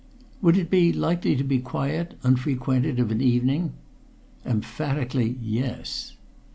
"Would it be likely to be quiet, unfrequented, of an evening?" "Emphatically yes."